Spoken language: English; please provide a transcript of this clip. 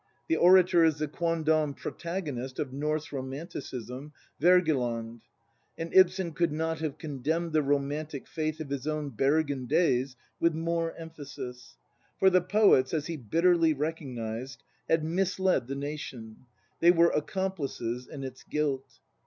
The orator is the quon dam protagonist of "Norse" Romanticism, Wergeland; and Ibsen could not have condemned the Romantic faith of his own Bergen days with more emphasis. For the poets, as he bitterly recognised, had misled the nation: they were "accomplices" in its guilt.